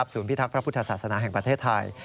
พิทักษ์พระพุทธศาสนาแห่งประเทศไทย